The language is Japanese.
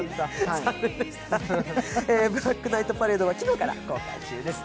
「ブラックナイトパレード」は昨日から公開中です。